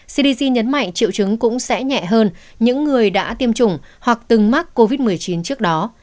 cdc nhấn mạnh triệu chứng cũng sẽ nhẹ hơn những người đã tiêm chủng hoặc từng mắc covid một mươi chín trước đó